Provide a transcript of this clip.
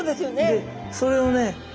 でそれをね